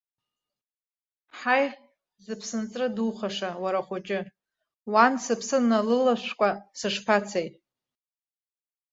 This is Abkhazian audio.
Ҳаи, зыԥсынҵры духаша, уара ахәыҷы, уан сыԥсы налылашәкәа сышԥацеи.